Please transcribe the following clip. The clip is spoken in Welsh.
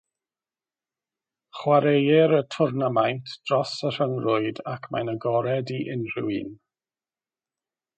Chwaraeir y twrnamaint dros y Rhyngrwyd ac mae'n agored i unrhyw un.